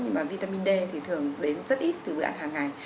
nhưng mà vitamin d thì thường đến rất ít từ bữa ăn hàng ngày